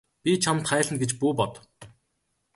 Би чамд хайлна гэж бүү бод.